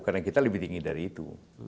karena kita lebih tinggi dari itu